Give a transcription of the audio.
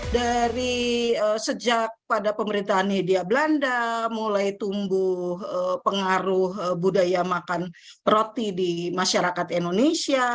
dari sejak pada pemerintahan hindia belanda mulai tumbuh pengaruh budaya makan roti di masyarakat indonesia